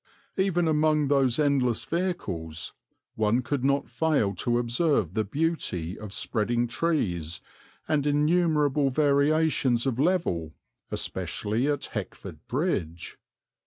Even among those endless vehicles one could not fail to observe the beauty of spreading trees and innumerable variations of level, especially at Heckford Bridge.